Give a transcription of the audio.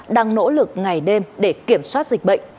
đang nỗ lực ngày đêm để kiểm soát